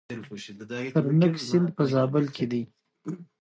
ترنک سیند په زابل کې دی؟